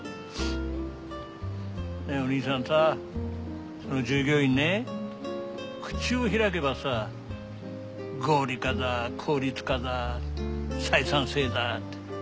ねえお兄さんさその従業員ね口を開けばさ「合理化だ効率化だ採算性だ」って。